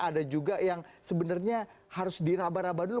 ada juga yang sebenarnya harus diraba raba dulu